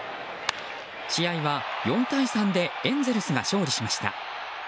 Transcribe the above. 試合は４対３でエンゼルスが勝利しました。